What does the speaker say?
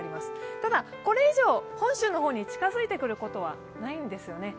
ただ、これ以上、本州の方に近づいてくることはないんですね。